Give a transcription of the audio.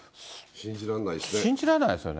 信じられないですよね。